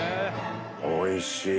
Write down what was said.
おいしい。